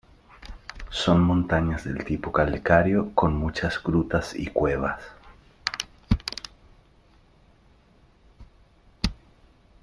Son montañas de tipo calcáreo con muchas grutas y cuevas.